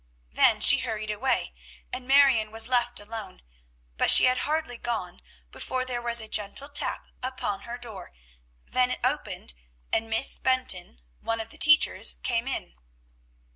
Then she hurried away, and Marion was left alone; but she had hardly gone, before there was a gentle tap upon her door, then it opened, and Miss Benton, one of the teachers, came in.